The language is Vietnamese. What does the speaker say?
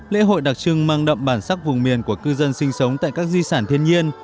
lễ hội đặc trưng mang đậm bản sắc vùng miền của cư dân sinh sống tại các di sản thiên nhiên